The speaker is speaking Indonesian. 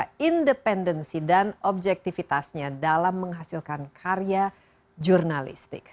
menjaga independensi dan objektifitasnya dalam menghasilkan karya jurnalistik